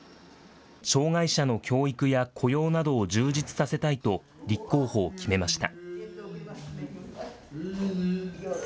障害者の教育や雇用などを充実させたいと立候補を決めました。